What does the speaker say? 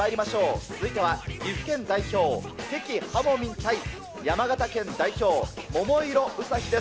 続いては岐阜県代表、関はもみん対山形県代表、桃色ウサヒです。